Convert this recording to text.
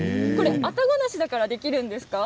あたご梨だからできるんですか？